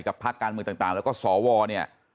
กับพลักษณ์การเมืองต่างแล้วก็สอวอนี่